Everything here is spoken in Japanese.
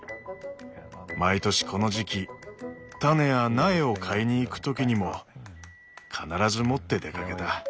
毎年この時期種や苗を買いにいく時にも必ず持って出かけた。